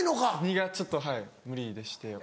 がちょっとはい無理でして。